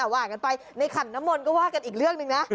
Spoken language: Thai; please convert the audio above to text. ว่ากันไปในขันน้ำมนต์ก็ว่ากันอีกเรื่องหนึ่งนะ